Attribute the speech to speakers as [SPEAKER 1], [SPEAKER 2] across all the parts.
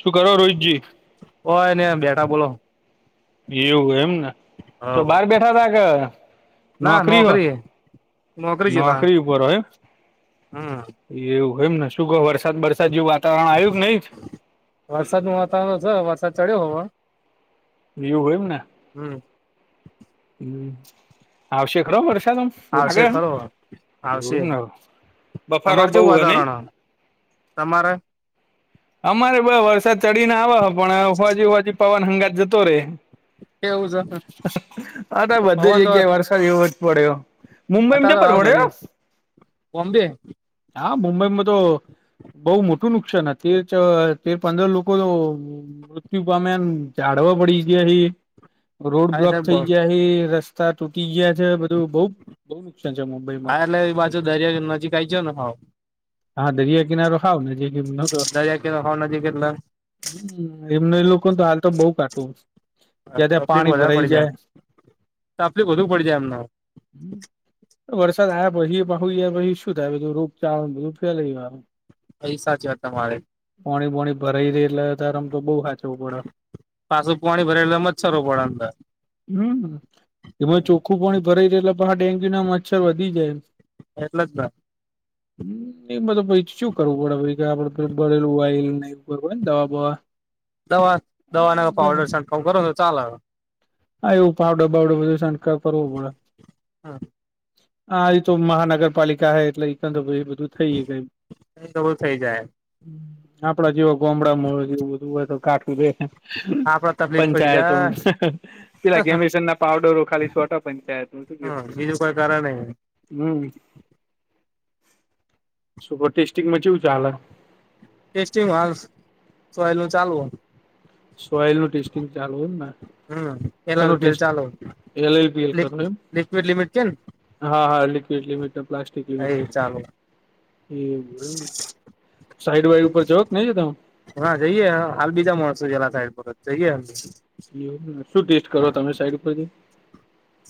[SPEAKER 1] શું કરો રોહિતજી?
[SPEAKER 2] ઓ એ નને બેટા બોલો.
[SPEAKER 1] એવું એમ ને, ચ બહાર બેઠા તા કે નોકરી હો? નોકરી ઉપર હોય.
[SPEAKER 2] હમ.
[SPEAKER 1] એવું હો એમને શું કહો વરસાદ વરસાદ જેવું વાતાવરણ આવ્યું કે નહી જ?
[SPEAKER 2] વરસાદ ન વાતાવરણ છે વરસાદ ચડ્યો હો હ.
[SPEAKER 1] બવું હોય એમ ને.
[SPEAKER 2] હમ.
[SPEAKER 1] હમ આવશે ખરો વરસાદ અમ
[SPEAKER 2] આવશે
[SPEAKER 1] લાગે
[SPEAKER 2] ખરો આવશે
[SPEAKER 1] [unintelligible] બફારો
[SPEAKER 2] તમારે
[SPEAKER 1] બૌ
[SPEAKER 2] કેવું
[SPEAKER 1] હોય ને
[SPEAKER 2] વાતાવરણ તમારે
[SPEAKER 1] અમારે બ વરસાદ ચડીને આવવા પણ ફજી હોજી પવન હંગાજ જતો રે
[SPEAKER 2] કેવું છે
[SPEAKER 1] હા તો બધી
[SPEAKER 2] પવન તો
[SPEAKER 1] જગ્યાએ વરસાદ એવો જ પડ્યો મુંબઈમાં
[SPEAKER 2] હતા
[SPEAKER 1] જ
[SPEAKER 2] તો
[SPEAKER 1] પર
[SPEAKER 2] હાલ બધી
[SPEAKER 1] વડ્યો
[SPEAKER 2] બોમ્બે
[SPEAKER 1] હા મુંબઈમાં તો બહુ મોટું નુકસાન હતું તે તેર પંદર લોકો તો મૃત્યુ પામે ઝાળવા પડી ગયા રોડ
[SPEAKER 2] હા
[SPEAKER 1] બ્લોક
[SPEAKER 2] સાહેબ
[SPEAKER 1] થઈ ગયા શે રસ્તા તૂટી ગયા છે બધું બઉ બઉુ નુકસાન છે મુંબઈમાં
[SPEAKER 2] હા એટલે એ બાજુ દરિયાયો નજીક આ આવી ગયો ને હાવ
[SPEAKER 1] હા દરિયા કીનારો હાવ નજીક એમનો તો
[SPEAKER 2] દરિયા કિનારો હાવ નજીક એટલે
[SPEAKER 1] એમને લોકો તો હાલ તો બોહ કાટું જ્યાં ત્યાં
[SPEAKER 2] તકલીફ
[SPEAKER 1] પાણી
[SPEAKER 2] વધારે
[SPEAKER 1] ભરાઈ
[SPEAKER 2] પડી
[SPEAKER 1] જાય
[SPEAKER 2] તકલીફ વધુ પડી જાય એમને
[SPEAKER 1] [inaudible] વરસાદ આયા પછી પહુ [unintelligible] ગિયા પછી હુ થાય રોગ ચારો બધું ફેલેયું
[SPEAKER 2] પૈસા છે તમારે
[SPEAKER 1] પોણી પોણી ભરાઈ રે એટલે અધારમા તો બો હ હાચવું પડે
[SPEAKER 2] પાછું પાણી ભરે એટલે મચ્છરો પડે અંદર
[SPEAKER 1] હમ એમાં ચોખ્ખું પાણી ભરાય જાય એટલે પાછા ડેન્ગ્યુ ના મચ્છર વધી જાય
[SPEAKER 2] એટલે જ ને
[SPEAKER 1] એ મતલબ પસી શું કરવું પડે કે આપદે બબરેલું વાયલ નહીર હોય ને દવા બવા
[SPEAKER 2] દવા દવા ના પાવડર છટકાવ કરો તો ચાલે
[SPEAKER 1] હા એવું પાવડે બાવડે બધું શંકારવો બોડે.
[SPEAKER 2] હા.
[SPEAKER 1] હા એ તો મહાનગરપાલિકા હ એટલે એ બધું થઈ ગ ગમ.
[SPEAKER 2] તો બ થઇ જાય.
[SPEAKER 1] આપડા જેવ ગોમડામાં જેવું બધું હોય તો કાટું બે.
[SPEAKER 2] આપડે તકલીફ પડી
[SPEAKER 1] પંચાયતો
[SPEAKER 2] જાય
[SPEAKER 1] પેલા ગેમસન ના પાવડરો ખાલી છોટા પંચાયત.
[SPEAKER 2] હા બીજું કોઈ કારણ નહી.
[SPEAKER 1] હમ, સુપર ટેસ્ટીંગમાંચવું ચાલ?
[SPEAKER 2] ટેસ્ટિંગ વા સલું ચાલુ હો.
[SPEAKER 1] સોયલ નું ટેસ્ટિંગ ચાલુ હોય ને.
[SPEAKER 2] હમ એલા
[SPEAKER 1] શેનું
[SPEAKER 2] ગ
[SPEAKER 1] ટેસ્ટ
[SPEAKER 2] ચાલો,
[SPEAKER 1] એલ એલ પી એલ કરો એમ
[SPEAKER 2] લિક્વીિડ લિમિટ કે?
[SPEAKER 1] હા હા લિક્વિડ લિટ પ્લાસ્ટિક
[SPEAKER 2] અ એ ચાલો.
[SPEAKER 1] એ બ સાઈડ વાઈ ઉપર જ કે નઈ ત?
[SPEAKER 2] હા જઈએે હાલ બીજા માણસ જેલા સાઈડ જઈએ.
[SPEAKER 1] શું ટેસ્ટ કરો તમે સાઈટ પરથી?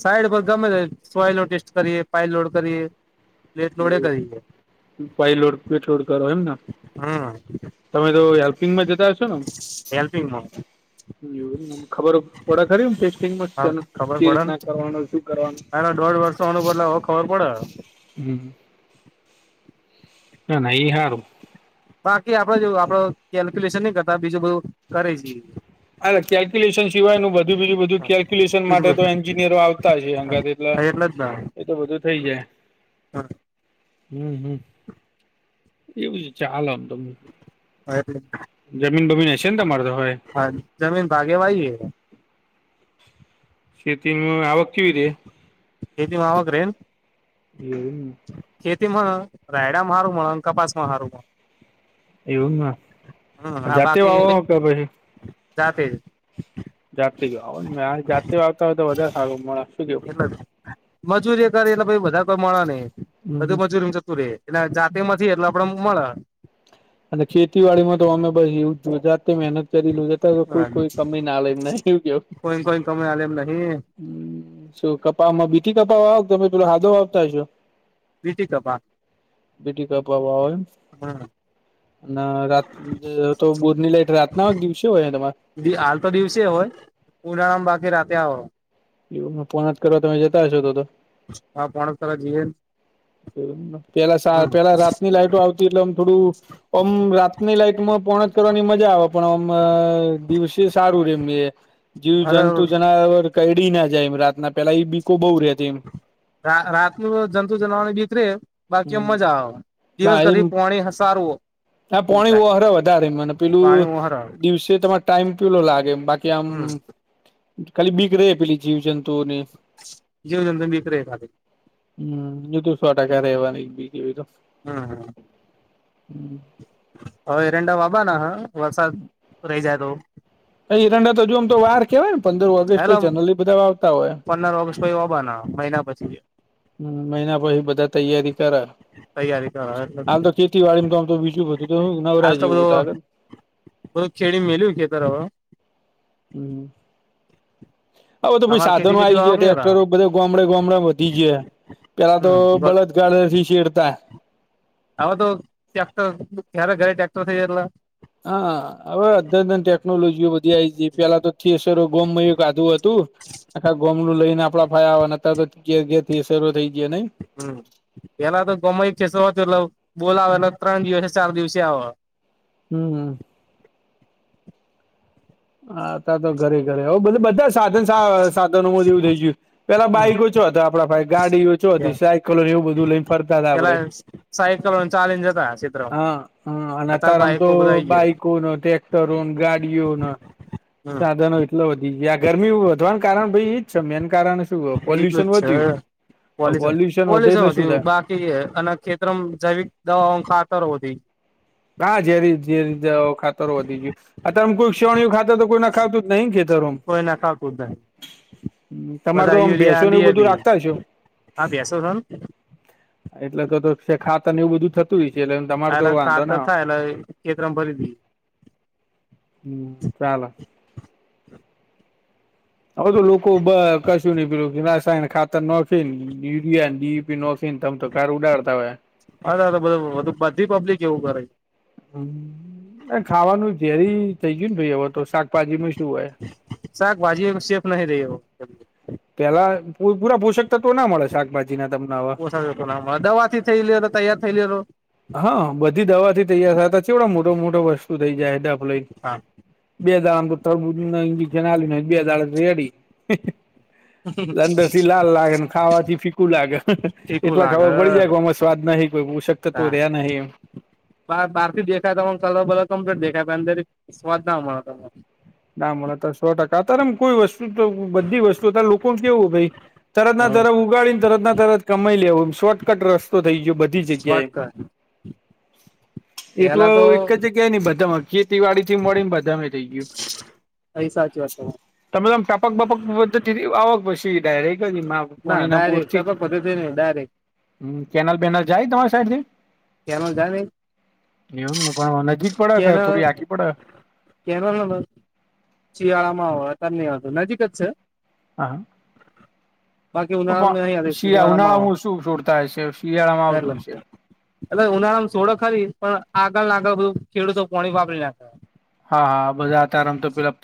[SPEAKER 2] સાઈડ પર ગમે સોય ટેસ્ટ કરીએ પાઇપ લોડ કરીએ, પ્લેટ લોડે કરીએ.
[SPEAKER 1] પાય લોડ પેટલોડ કરો એમ ને?
[SPEAKER 2] હમ
[SPEAKER 1] તમે તો હેલ્પિંગમાં જતા હશો ને?
[SPEAKER 2] હેલ્પિંગમાં
[SPEAKER 1] મ ખબર ઓડા ખરી ટેસ્ટિંગ
[SPEAKER 2] હા
[SPEAKER 1] કે રીતના કરવાનું શું કરવાનું.
[SPEAKER 2] તાર દોઢ વર્ષ વાનું પદલેવવે ખબર પડે.
[SPEAKER 1] હમ. હા નઈ હારું.
[SPEAKER 2] બાકી આપડે જો આપડ કેલ્ક્યુલેશન નહી કરતા બીજું બધું કરે જએ.
[SPEAKER 1] અલા કેલ્ક્યુલેશન સિવાય નું બધું બીજું બધું કેલ્ક્યુલેશન
[SPEAKER 2] બીજું
[SPEAKER 1] માટે તો એન્જિનિયરો આવતા છે હગાથે એટલે.
[SPEAKER 2] હ એટલે જ ના
[SPEAKER 1] ઇ તો બધું થઇ જાય. હમ હમ એવું ચાલો તો.
[SPEAKER 2] હ
[SPEAKER 1] જમીન બમીન હશે ને તમારે તો હવે
[SPEAKER 2] જમીન ભાગે વાઈએ
[SPEAKER 1] ખેતીમાં આવક કેવી રે
[SPEAKER 2] ખેતીમાં આવક રે.
[SPEAKER 1] એવું
[SPEAKER 2] ખેતીમાં રાયડમાં હારું કપાસમાં હારું
[SPEAKER 1] એવું ના જાતે વાવો તો પછી.
[SPEAKER 2] જાતેજ
[SPEAKER 1] જાતેજ વાવાનુ મે જાતે વા આવતા હોય તો વધારે સારું મળે. શું કેવું
[SPEAKER 2] એટલે મજૂરી કરે એટલે બધે કામાળા ન‌ઈ
[SPEAKER 1] હમ હમ
[SPEAKER 2] બધું મજૂરી જતું રે એટલે જાતેમાં નથી એટલે આપડે મળે
[SPEAKER 1] અને ખેતીવાડી માં તો અમે બ એવું જાતે મહેનત કરી લ લોજતા કોઈ
[SPEAKER 2] મળે
[SPEAKER 1] કોઈ કય ના લે એને એવું કે
[SPEAKER 2] કમે આલેમ નહી
[SPEAKER 1] હ શું કપામાં બીઠી કપા વાવ તમે પેલો હાદો વાવતા હશો
[SPEAKER 2] પીટી કપા
[SPEAKER 1] બીટી કપા વાવો એમ
[SPEAKER 2] હમ
[SPEAKER 1] અને રાત તો બોધની લાઈટ રાતના દિવસે હોય ને તમારે.
[SPEAKER 2] હાલ તો દિવસે હોય ઉનાળામાં બાકી રાતે આવ
[SPEAKER 1] એવ ફોન જ કરવા તમે જતા હશો તો તો
[SPEAKER 2] આ પોણક તરફ જઈએ
[SPEAKER 1] પેલા સાત પેલા રાત ની લાઈટો આવતી એટલે આમ થોડું આમ રાતની લાઈટમાં પોણ જ કરવાની મજા આવે પણ આમ દિવસે સારું રે એમની એ જીવ
[SPEAKER 2] અરે
[SPEAKER 1] જંતુ જનાવર કેડી ના જાય એમ રાતના પેલા એ બીકો બહુ રેતી એમ
[SPEAKER 2] રા રાત નું જંતુ જનવાની બીક રે
[SPEAKER 1] એમ
[SPEAKER 2] બાકી મજા આવે દિવસ
[SPEAKER 1] એમ
[SPEAKER 2] ઘથી પોણી હસારવું
[SPEAKER 1] ના પોણી ઓરે વધારે મને પેલું
[SPEAKER 2] પાણી ઓહરા
[SPEAKER 1] દિવસે તમારે ટાઈમ પેલો લાગે બાકી આમ.
[SPEAKER 2] હમ
[SPEAKER 1] ખાલી બીક રહે પેલી જીવજંતુઓની.
[SPEAKER 2] જીવ જંતુ બીક રે ખાલી
[SPEAKER 1] હમ એ તો સો ટકા રહેવાની બીક એ બી તો
[SPEAKER 2] હમ હમ
[SPEAKER 1] હમ
[SPEAKER 2] હ એરંડા વાવા ના વરસાદ રહી જાય તો.
[SPEAKER 1] ભ એરંડા તો જો આમ તો વાર કેવાય ને પંદર ઓગસ્ટ પે
[SPEAKER 2] એટલે
[SPEAKER 1] જનલી બધા વાવતા હોય.
[SPEAKER 2] પંદર ઓગસ્ટ પછી વાબાના મહિના પછી
[SPEAKER 1] હમ મહિના પછી બધા તૈયારી કરા
[SPEAKER 2] તૈયારી કર એટ
[SPEAKER 1] હાલ તો ખેતીવાડી કોમ તો બીજું બધું તો નવરા જેવુ તારે
[SPEAKER 2] બ ખ ખેડી મેલી ખેતર વાવા
[SPEAKER 1] હમ હવે તો
[SPEAKER 2] તમારે
[SPEAKER 1] સાધનો
[SPEAKER 2] ખેતી બેતી
[SPEAKER 1] આવી જ
[SPEAKER 2] વાવો કે નઈ
[SPEAKER 1] ટ્રેક્ટરો
[SPEAKER 2] વાવો
[SPEAKER 1] બધે ગામડે ગામડે વધી જ પેલા તો
[SPEAKER 2] હમ
[SPEAKER 1] બળદ. ગળે સી સેડતા
[SPEAKER 2] હવે તો ટ્રેક્ટર ઘરે ઘરે ટ્રેક્ટર થઇ જટલા
[SPEAKER 1] હા હવે અદન અન ટેકનોલોજી બધી આ છે પેલા તો થિયેસરો ગોમમા એ કાધું હતું. આખા ગોમલું લઈ ને આપડા ફાયા ને અત્યારે તો થી શરૂ થઈ જે નઈ
[SPEAKER 2] હમ પેલા તો ગમાઈ છેસ એટ બોલાવે એલે ત્રણ દિવસે ચાર દિવસે આવે
[SPEAKER 1] હમ હમ આા ત તો ઘરે ઘરે આવું બધા બધા સાધ સાધનોમાં એવું થઈ ગયું પેલા
[SPEAKER 2] હમ
[SPEAKER 1] બાઈક ઓછો હતો આપડા ભાઈ ગાડી ઓછો હતી સા પેલા એવું બધું લઈને ફરતા હતા
[SPEAKER 2] પેલા
[SPEAKER 1] આપડે
[SPEAKER 2] સાયકલો ચાલીને જતા ક્ષેત્ર
[SPEAKER 1] હા હા અને અત્યારે આમ તો
[SPEAKER 2] બાઈકો બધા આઈ ગયા
[SPEAKER 1] બાઈકો ન ટટેક્ટરો ગાડીઓ ન
[SPEAKER 2] હમ
[SPEAKER 1] સાધનો એટલો વધી યા ગરમી વધવાનું કારણ ભાઈ એજ છે મેન કારણ શું
[SPEAKER 2] એટલું
[SPEAKER 1] પોલ્યુશન
[SPEAKER 2] જ છે
[SPEAKER 1] વધયું પોલ્યુશન વધે એટલે શું થાય
[SPEAKER 2] અને ખેતરમ જૈવિક દવાઓ ખાતરથી
[SPEAKER 1] હા જે ર જે રતે ખાતર વધી ગયું અમ કોઈ ક્ષણયાતર કોઈ ના ખાાવતું જ નહી ખેચારમ
[SPEAKER 2] કોઈ નાખાતું જ નહી
[SPEAKER 1] તમારે
[SPEAKER 2] બધા
[SPEAKER 1] તો આમ
[SPEAKER 2] યુરિયા
[SPEAKER 1] બેસોને એવું બધું
[SPEAKER 2] ડીએપી
[SPEAKER 1] રાખતા હ છેો
[SPEAKER 2] આ ભેસો છે ને
[SPEAKER 1] એટલે તો છે ખાતને એવું બધું થતું હોય છે એટલે તમાર તો વાંધો ને
[SPEAKER 2] કેતરા ભરી દ
[SPEAKER 1] હમ ચાલ હવે તો લોકો કશું નહી પીું રાસાયણ ખાતર નખે ને ર ડીપી નખીને તમ તો કાર ઉડાડતા હોય
[SPEAKER 2] હાાા બધું બધું બધી પબ્લિક એવું કરે
[SPEAKER 1] હમ ખાવાનું ઝેરી થઇ ગયું ને ભાઈ હવે તો શાકભાજી માં શું હોય
[SPEAKER 2] શાકભાજી સેફ નહી રહી
[SPEAKER 1] પેલા પુરા પોષકતા તો ના મળે શાકભાજી ના તમને હવા
[SPEAKER 2] ઓછ દવાથી થઈ લેલો તૈયાર થઈ લેલો
[SPEAKER 1] હા બધી દવાથી તૈયાર થતા છેવડા મોટો મોટો વસ્તુ થઈ જાય ડાફ લઈ
[SPEAKER 2] હા
[SPEAKER 1] બે દાડામાં જ્યું બે દાડા રેડી લંદરથી લાલ લાગે ખાવાથી ફીકુ લાગે
[SPEAKER 2] ઠીકું
[SPEAKER 1] એટલા
[SPEAKER 2] લાગે
[SPEAKER 1] ખાવા પળી જાય આમાં સ્વાદ નહીિ કોઈ પષક તવ રહ્યા નહીં
[SPEAKER 2] બ બહાર થી દેખાય તને કલર બલર કમ્પ્લીટ દેખાય અંદર સ્વાદ ના અ તને
[SPEAKER 1] ડ ઓ તો સો ટકા ત એમ કોઈ વસ્તુ બધી વસ્તુ હતા લોકો ન કેવું ભાઈ તરત ના
[SPEAKER 2] તમને
[SPEAKER 1] તરત ગાડીને તરત ના તરત કમાઈ લેવો શોર્ટકટ રસ્તો થઈ ગયો બધી જગ્યાએ
[SPEAKER 2] શોર્ટકટ
[SPEAKER 1] એકલો
[SPEAKER 2] પેલા તો
[SPEAKER 1] એક જ ક ન બધામાં ખેતીવાડી થી મળીને બધામે થઇ ગયું
[SPEAKER 2] અહી સાચી વાત
[SPEAKER 1] તમે તોમ ટાપક બાપક આવક પ ડાયરેક મા
[SPEAKER 2] ના
[SPEAKER 1] કોણીના બૂર
[SPEAKER 2] ડાયરેક્ટ
[SPEAKER 1] થી જ
[SPEAKER 2] ટપક પદ્ધતિ નહી ડાયરેક્ટ
[SPEAKER 1] હમ કેનાલ બેનાલ જાય તમારી સાઈડ થી
[SPEAKER 2] કેમાં ગમે
[SPEAKER 1] એવમ પણ નજીક પડે કે થોડી આગી પડે
[SPEAKER 2] કે શિયાળા માં આવે ત હતું નજીક જ છે બાકી
[SPEAKER 1] હાા પપા
[SPEAKER 2] ઉનાળામાં નહીં આવે
[SPEAKER 1] શિયા
[SPEAKER 2] શિયાળામાં
[SPEAKER 1] ઉનાળામાં શું છોડતા છે શિયાળામાં આવતું છે
[SPEAKER 2] એટ ઉનાળામાં છોડો ખરી પણ આગળ આગળ બધું ખેડૂતો પોણી વાપરી નાખે
[SPEAKER 1] હા હા બધા આતામ તો પેલા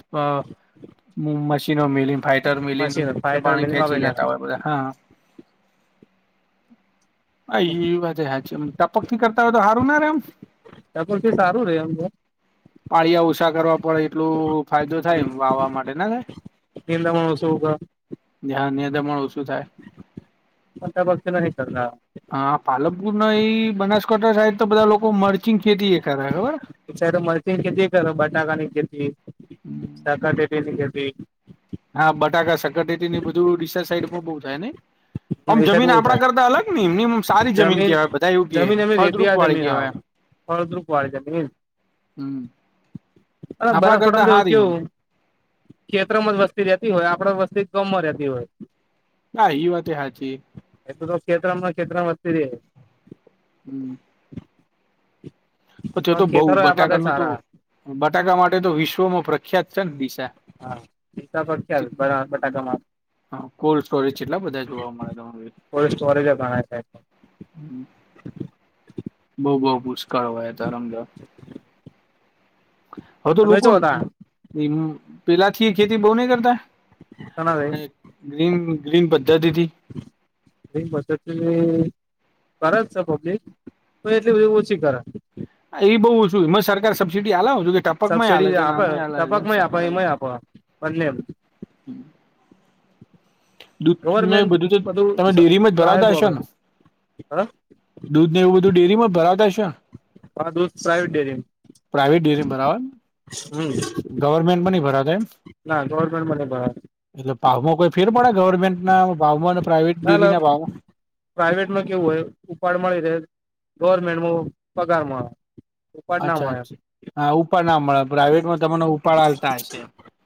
[SPEAKER 1] હ મશીનો મિલી ફાઈટર મિલીને
[SPEAKER 2] મશીન
[SPEAKER 1] કે
[SPEAKER 2] ફાઈટર
[SPEAKER 1] પાણી
[SPEAKER 2] મિલ
[SPEAKER 1] ખેંચી
[SPEAKER 2] વાપરી નાખે
[SPEAKER 1] લેતા હોય બધા હા અ વા હ છે પક્કી કરતા હોય તો હારું ના રે એમ
[SPEAKER 2] ત્યાંી સારું રે એમ
[SPEAKER 1] પાળિયા ઉછા કરવા પડે એટલું ફાયદો થાય એમ વાવા માટે ને
[SPEAKER 2] પત્નીંદ મણસગ
[SPEAKER 1] જ્યાં નિયંતમણ ઓછું થાય
[SPEAKER 2] પણતા પક્ષના ન સર ના
[SPEAKER 1] હા પાલકપુર ના એ બનાસકાંઠા સાઈડ તો બધા લોકો મરચિંગ ખેતી એ કરે ખબર
[SPEAKER 2] મરચ ની ખેતી કર બટનાકાાની ખેતી શકાર પટી ની ખેતી
[SPEAKER 1] હા બટાકા સકટેેતી ને બધુંડીશ સાઈડમાં બહુ થાય ને આમ
[SPEAKER 2] એ સાઈડ
[SPEAKER 1] જમીન
[SPEAKER 2] બહુ થાય
[SPEAKER 1] આપણા કરતા અલગ એમમ સારી જમીન કહેવાય બધા એવું કે ફળદ્રુપ વાળી કહેવાય
[SPEAKER 2] હળદ્રુ કવાળજની
[SPEAKER 1] હમ.
[SPEAKER 2] અને
[SPEAKER 1] આપડા
[SPEAKER 2] બનાસકાંઠા
[SPEAKER 1] કરતા
[SPEAKER 2] તોવું
[SPEAKER 1] હારી એમ
[SPEAKER 2] કેવું ક્ષેત્રમાં જ વસ્તી રહેતી હોય આપડે વસ્તી કમમાં રહેતી હોય
[SPEAKER 1] ના ઈ વાત એ હાચી
[SPEAKER 2] [unintelligible] કેેત્રમમાં કેેત્રમ વસ્તી રે
[SPEAKER 1] હમ. પછી તો બઉ
[SPEAKER 2] ખેતરો આપડા કઈ
[SPEAKER 1] બટાકાનું તો
[SPEAKER 2] સારા
[SPEAKER 1] બટાકા માટે તો વિશ્વમાં પ ખયાત છે, ન દિશા
[SPEAKER 2] હા હિસાબ ખ્યાલ બટાકામાં
[SPEAKER 1] હા કોલ્ડ સ્ટોરેજ છેટલા બધા જોવા મળે
[SPEAKER 2] કોલ્ડ સ્ટોરેજ ગણાય છે
[SPEAKER 1] બઉ બઉ પુષ્કાળ વાયા તારમજ હવે તો
[SPEAKER 2] તમે
[SPEAKER 1] લોકો
[SPEAKER 2] શું હતા
[SPEAKER 1] [unintelligible] પેલા થી ખેતી બો નય કરતા
[SPEAKER 2] ઘણા
[SPEAKER 1] ગ્રીન ગ્રીન પદ્ધતિથી
[SPEAKER 2] એ પદ્ધતિ કરે છે, પબ્લિક એટલી બ ઓછી કરે
[SPEAKER 1] હ એ બો ઓછું મ સરકાર સબસિડી હલાવ છું કે ટપકમાં હાલે છે અને આમાં આલા છે સરકાર આવે
[SPEAKER 2] [unintelligible] બલેમ
[SPEAKER 1] હમ દૂધ ને બધું તો તમે ડેરીમાં જ
[SPEAKER 2] સાહેબ
[SPEAKER 1] ભરાવતા હશો
[SPEAKER 2] આપે
[SPEAKER 1] ને
[SPEAKER 2] હા
[SPEAKER 1] દૂધ ને એવું બધું ડેરીમાં ભરાવતા છે.
[SPEAKER 2] આ દુધ સાય ડેરી
[SPEAKER 1] પ્રાાઈવેટ ડેરી
[SPEAKER 2] હમ
[SPEAKER 1] ભરાવે ગવર્મેન્ટમા નય ભરાતા એમ
[SPEAKER 2] ના ગવર્મેન્ટ મને
[SPEAKER 1] એટલે ભવમાં કોઈ ફેર પડે ગવર્મેન્ટના ભાવમાં અને પ્રાઇવેટ ડેરીના ભાવમાં
[SPEAKER 2] પ્રાાઈવેટમાં કેવું હોય ઉપાડ મળી રે ગવર્મેન્ટમાં પગાર મળે ઉપાડ ના
[SPEAKER 1] અચ્છા
[SPEAKER 2] મળે
[SPEAKER 1] અચ્છ હા ઉપાડ ના મળે પ્રઇવેટમાં તમને ઉપાડ હાલતા હશે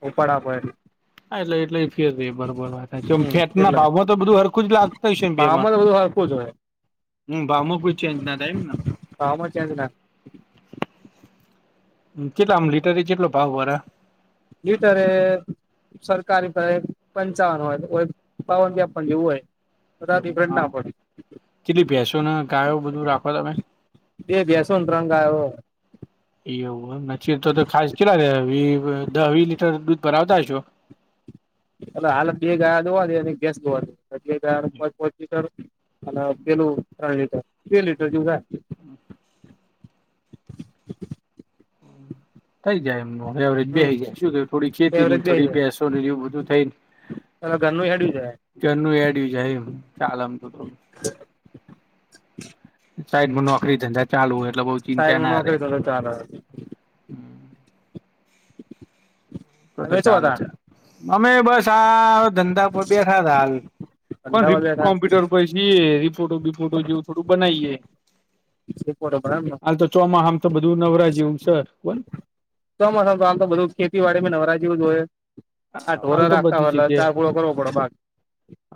[SPEAKER 2] ઉપાડ આપે
[SPEAKER 1] હા એટલે એટલે ફેર રેય બરોબર
[SPEAKER 2] હમ
[SPEAKER 1] ફેટ ના
[SPEAKER 2] એટલે
[SPEAKER 1] ભાવ માં તો બધું હર કુ લાગતા હોય છે બે માં
[SPEAKER 2] ભાવમાં તો બધું હરખું જ હોય
[SPEAKER 1] હ ભાવો કો ચેન્જ ના થાય એમ ન
[SPEAKER 2] ભાવમાં ચેન્જ ના
[SPEAKER 1] કેટલા આમ લીટરથી કેટલો ભાવ ભરે
[SPEAKER 2] લનીરે સરકારી પહી પંચાવન હોય તો બાવન તેપન જેવું હોય બધા
[SPEAKER 1] એવ હ
[SPEAKER 2] ડિફરન્ટ ના પડે
[SPEAKER 1] કેટલી ભેસો ને ગાયો બધું રાખો તમે?
[SPEAKER 2] બે ભેસો ન ત્રણ ગાયો
[SPEAKER 1] હ એવુ [unintelligible] તો તો ખાસ કેેલા રે દ વી લીટર દૂધ ભરાવતા હશો
[SPEAKER 2] એટલે હા બે ગાય દોવા દે અને ગેસ દોવા દે [unintelligible] અને પેલું ત્રણ લીટર કે લીટર જેવુ થાય
[SPEAKER 1] હમ. થઈ જાય મોહે એવરેજ બી
[SPEAKER 2] હમ
[SPEAKER 1] જાય ચુલી થોડી ખેતી
[SPEAKER 2] એવરેજ
[SPEAKER 1] ની
[SPEAKER 2] બેહી
[SPEAKER 1] થોડી
[SPEAKER 2] જાય
[SPEAKER 1] બેસો ને એવું બધું થઈ
[SPEAKER 2] ઘરનું હેડ્યું છે.
[SPEAKER 1] ધરનુ એડયું જ ચાલે આમ તો તો સાઈમાં નોકરી ધંધા ચાલુ હોય એટલે બોવ ચિંતા ના રે
[SPEAKER 2] ચાર
[SPEAKER 1] તો તો
[SPEAKER 2] તમે ચો
[SPEAKER 1] ચાલે
[SPEAKER 2] તા
[SPEAKER 1] ચા અમે બસ આ ધંધા પર બેથાતા હાલ કોન રી
[SPEAKER 2] ધંધામાં બેઠા
[SPEAKER 1] કોમ્પ્યુટર પછી રિપોર્ટો બિપોટો જેવું થોડું બનાવીએે
[SPEAKER 2] [inaudible]
[SPEAKER 1] હાલ તો ચોમાહામ તો બધું નવરા જેવું છે, કોન
[SPEAKER 2] તોસ તો આમ તો બધું ખેતીવાડી નવરા જેવું જોઈએ. આ
[SPEAKER 1] હાલ
[SPEAKER 2] ઢોરા
[SPEAKER 1] તો
[SPEAKER 2] રાખતા
[SPEAKER 1] બધી
[SPEAKER 2] હોય એટલે
[SPEAKER 1] જગ્યાએ
[SPEAKER 2] ચાર ગુળો કરવો પડે ભાગ.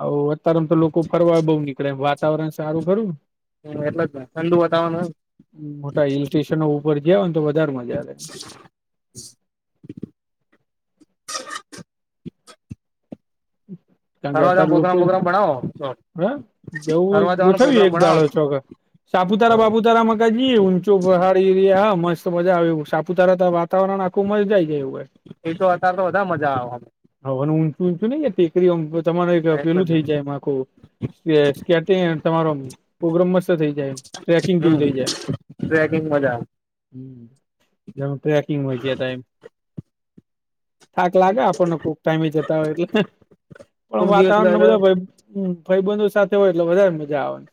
[SPEAKER 1] આવું અત્યારેમ તો લોકો ફરવા બહુ નીકળે વાતાવરણ સારું ખરું ને.
[SPEAKER 2] હૈ એટલ જ ને ઠંડુ વાતાવરણ હોય
[SPEAKER 1] મોટા હિલ
[SPEAKER 2] ને.
[SPEAKER 1] સ્ટેશનો ઉપર જાઓ ને તો વધારે મજા આવે લે. હમ્મ. કારણ કે
[SPEAKER 2] ફરવા જવાનો
[SPEAKER 1] અત્યારે લોકો
[SPEAKER 2] પ્રોગ્રામ પ્રોગ્રામ બનાવો તો
[SPEAKER 1] હ જવું
[SPEAKER 2] ફરવા જવાનો
[SPEAKER 1] ગોઠવી
[SPEAKER 2] પ્રોગ્રામ
[SPEAKER 1] એક
[SPEAKER 2] બનાવો
[SPEAKER 1] દાળો ચોગે. સાપુતારા
[SPEAKER 2] હ
[SPEAKER 1] બાપુતારા માં તા ની હે ઊંચો પહાડી એરિયા હા મસ્ત મજા આવે સાપુતારા ત વાતાવરણ આખું મસ્ત જઈ જાય એવું હોય.
[SPEAKER 2] એ તો અત્યારે તો બધા મજા આવે
[SPEAKER 1] હવાનું ઊંચું ઊંચું નહી હે. તે આમ કે તમારે એક
[SPEAKER 2] એટલે
[SPEAKER 1] પેલું
[SPEAKER 2] જ
[SPEAKER 1] થઈ જાય એમ આખું. ખી એ સ્કેટંગ તમારો પ્રગ્રમ મસ્ત થઈ જાય ટ્રેકિંગ
[SPEAKER 2] હમ
[SPEAKER 1] જેવું થઇ જાય.
[SPEAKER 2] ટ્રેકિંગ મજા આવ
[SPEAKER 1] હમ્મ, જેમ ટ્રેકિંગ હોય છે એ ટાઈમ. થાક લાગે આપણને કોક ટાઈમે જતા હોય એટલે હે.
[SPEAKER 2] ખુબ
[SPEAKER 1] પણ
[SPEAKER 2] દિવસ
[SPEAKER 1] વાતાવરણને બધા
[SPEAKER 2] મજા
[SPEAKER 1] ભાઈબંધ સાથે હોય એટલે વધારે મજા આવે.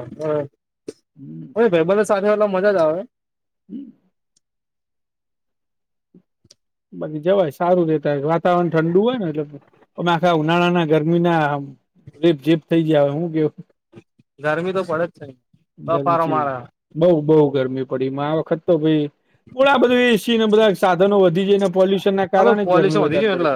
[SPEAKER 2] એમ તો એ ભાઈબંધ ને સાથે એલા મજા જ આવે.
[SPEAKER 1] હમ્મ. બધી જવાય સારું રેતા વાતાવરણ ઠંડુ હોય ને એટલેમે આખા ઉનાળાના ગરમીના. રેપ જીપ થઇ જાએ હું કેવું.
[SPEAKER 2] ગરમી તો પડે જ છે.
[SPEAKER 1] ગરમી
[SPEAKER 2] બફારો મારે
[SPEAKER 1] ચી બઉ બઉ ગરમી પડી માટે વખત તો ભાઈ પોલા આ બધું એ સી ને બધા સાધનો વધી જાય ને પોલ્યુશન ના
[SPEAKER 2] હવે
[SPEAKER 1] કારણે જ
[SPEAKER 2] પોલ્યુશન
[SPEAKER 1] ગરમી
[SPEAKER 2] વધી
[SPEAKER 1] વધારે
[SPEAKER 2] ગયું
[SPEAKER 1] પડે.
[SPEAKER 2] એટલે